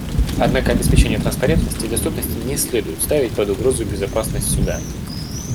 Однако обеспечение транспарентности и доступности не следует ставить под угрозу безопасность Суда.